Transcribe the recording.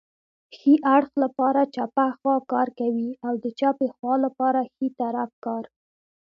ښي اړخ لپاره چپه خواکار کوي او د چپې خوا لپاره ښی طرف کار